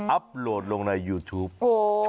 อัพโหลดลงในยูทูปโอ้ว